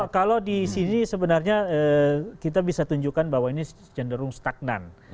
kalau di sini sebenarnya kita bisa tunjukkan bahwa ini cenderung stagnan